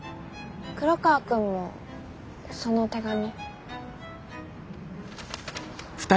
黒川くんもその手紙。